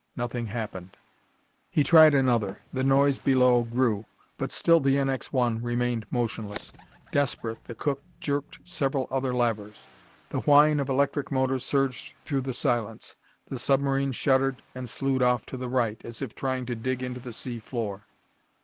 Nothing happened. He tried another. The noise below grew, but still the NX 1 remained motionless. Desperate, the cook jerked several other levers. The whine of electric motors surged through the silence; the submarine shuddered and slewed off to the right, as if trying to dig into the sea floor.